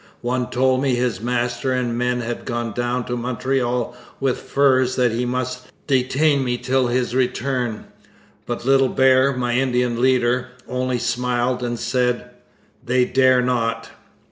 One told me his master and men had gone down to Montreal with furs and that he must detain me till his return; but Little Bear, my Indian leader, only smiled and said, "They dare not."'